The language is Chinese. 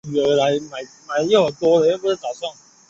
查尔斯城是美国艾奥瓦州弗洛伊德县的城市和县城。